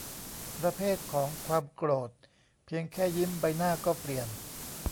ประเภทของความโกรธเพียงแค่ยิ้มใบหน้าก็เปลี่ยน